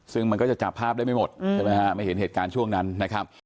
ซึ่งมันก็จะจับภาพได้ไม่หมดใช่ไหมฮะไม่เห็นเหตุการณ์ช่วงนั้นนะครับ